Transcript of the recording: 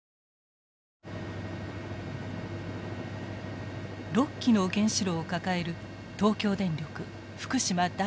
６基の原子炉を抱える東京電力福島第一原子力発電所。